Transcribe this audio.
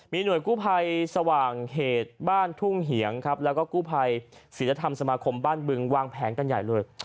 หน่วยกู้ภัยสว่างเหตุบ้านทุ่งเหียงครับแล้วก็กู้ภัยศิลธรรมสมาคมบ้านบึงวางแผนกันใหญ่เลย